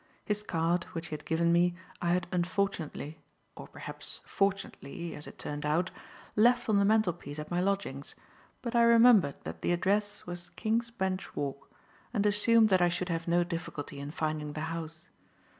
His card, which he had given me, I had unfortunately or perhaps fortunately, as it turned out left on the mantelpiece at my lodgings; but I remembered that the address was King's Bench Walk and assumed that I should have no difficulty in finding the house.